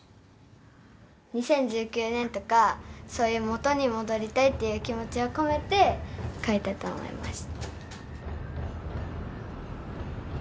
２０１９年とかそういう元に戻りたいっていう気持ちを込めて書いたと思います